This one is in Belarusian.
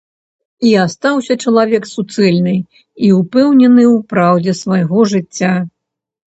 І астаўся чалавек суцэльны і ўпэўнены ў праўдзе свайго жыцця.